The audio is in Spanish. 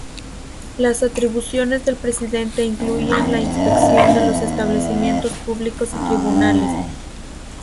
Las atribuciones del presidente incluían la inspección de los establecimientos públicos y tribunales.